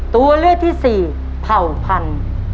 ตัวเลือกที่สี่เผ่าพันธุ์